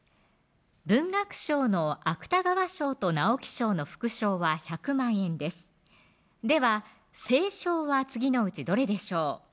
文学賞の芥川賞と直木賞の副賞は１００万円ですでは正賞は次のうちどれでしょう